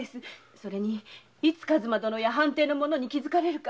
それにいつ数馬殿や藩邸の者に気づかれるか。